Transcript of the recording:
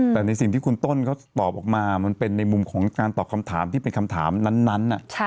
แต่ในสิ่งที่คุณต้นเขาตอบออกมามันเป็นในมุมของการตอบคำถามที่เป็นคำถามนั้น